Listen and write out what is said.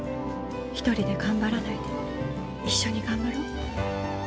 １人で頑張らないで一緒に頑張ろう。